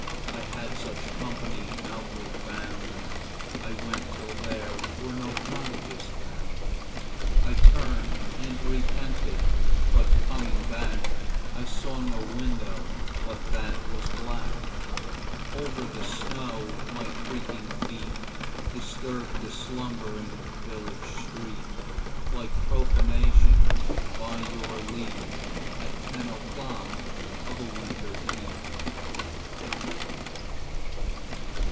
I had such company outward bound. I went till there were no cottages found. I turned and repented, but coming back I saw no window but that was black. Over the snow my creaking feet Disturbed the slumbering village street Like profanation, by your leave, At ten o'clock of a winter eve.